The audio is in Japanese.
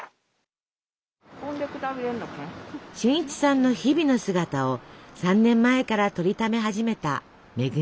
俊一さんの日々の姿を３年前から撮りため始めた恵さん。